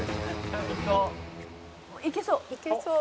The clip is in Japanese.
「いけそう！」